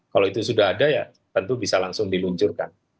kalau itu sudah ada ya tentu bisa langsung diluncurkan